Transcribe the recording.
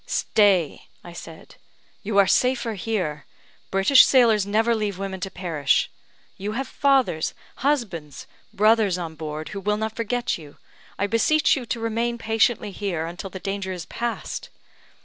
"Stay," I said; "you are safer here. British sailors never leave women to perish. You have fathers, husbands, brothers on board, who will not forget you. I beseech you to remain patiently here until the danger is past."